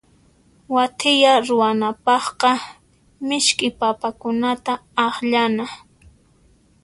Wathiya ruwanapaqqa misk'i papakunata akllana.